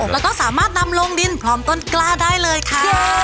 แล้วก็สามารถนำลงดินพร้อมต้นกล้าได้เลยค่ะ